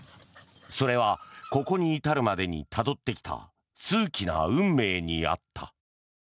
それはここに至るまでにたどってきた数奇な運命にあった。